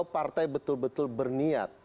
partai betul betul berniat